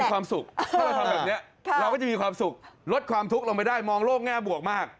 ความสุขถ้าเราทำแบบนี้เราก็จะมีความสุขลดความทุกข์ลงไปได้มองโลกแง่บวกมาก